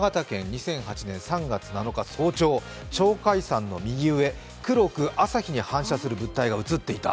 ２００８年３月７日早朝、鳥海山の右上、黒く朝日に反射する物体がうつっていた。